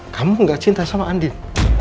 kamu gak cinta sama andin